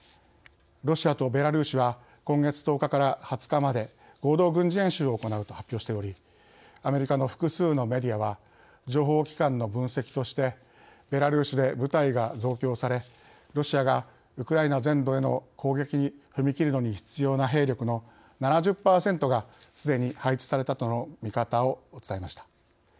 ロシアとベラルーシは今月１０日から２０日まで合同軍事演習を行うと発表しておりアメリカの複数のメディアは情報機関の分析としてベラルーシで部隊が増強されロシアがウクライナ全土への攻撃に踏み切るのに必要な兵力の７０％が、すでに配置されたとの見方を伝えました。